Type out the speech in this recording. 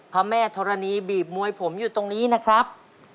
พระแม่ธรณีบีบมวยผมอยู่ตรงนี้นะครับ